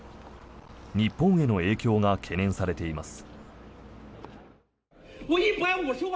日本への影響が懸念されています。